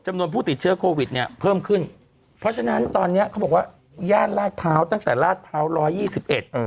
จำนวนผู้ติดเชื้อโควิดเนี่ยเพิ่มขึ้นเพราะฉะนั้นตอนเนี้ยเขาบอกว่าย่านลาดพร้าวตั้งแต่ลาดพร้าวร้อยยี่สิบเอ็ด